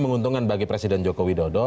menguntungkan bagi presiden jokowi dodo